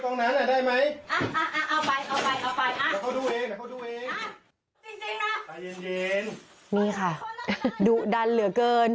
นี่ค่ะดุดันเหลือเกิน